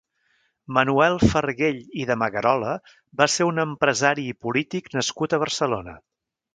Manuel Farguell i de Magarola va ser un empresari i polític nascut a Barcelona.